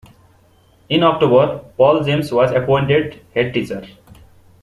In October, Paul James was appointed Headteacher.